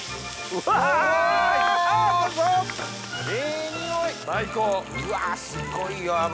うわすごいよ脂。